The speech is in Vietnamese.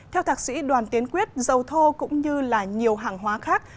theo thạc sĩ đoàn tiến quyết dầu thô cũng như là nhiều hàng hóa khác